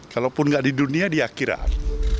kalaupun nggak di dunia di akhirat